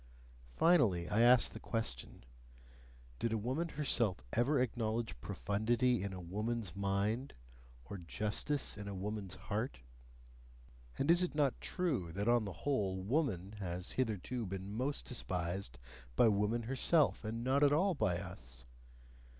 Finally, I ask the question: Did a woman herself ever acknowledge profundity in a woman's mind, or justice in a woman's heart? And is it not true that on the whole "woman" has hitherto been most despised by woman herself, and not at all by us?